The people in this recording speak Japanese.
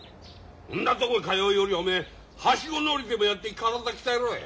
んなとこ通うよりおめえはしご乗りでもやって体鍛えろい。